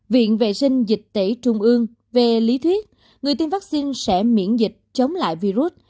viện vệ sinh dịch tễ trung ương về lý thuyết người tiêm vaccine sẽ miễn dịch chống lại virus